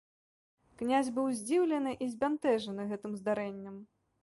Князь быў здзіўлены і збянтэжаны гэтым здарэннем.